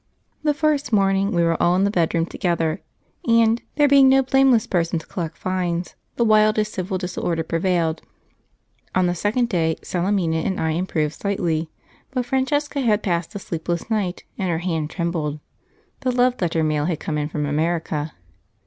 The first morning we were all in the bedroom together, and, there being no blameless person to collect fines, the wildest civil disorder prevailed. On the second day Salemina and I improved slightly, but Francesca had passed a sleepless night, and her hand trembled (the love letter mail had come in from America).